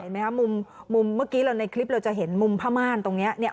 ไหมคะมุมเมื่อกี้เราในคลิปเราจะเห็นมุมผ้าม่านตรงนี้เนี่ย